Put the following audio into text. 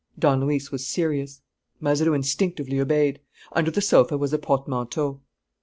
Don Luis was serious. Mazeroux instinctively obeyed. Under the sofa was a portmanteau.